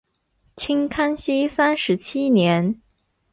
清康熙三十七年。